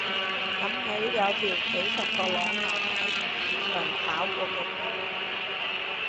諗起有條幾十個裸男喺漁市場跑過嘅片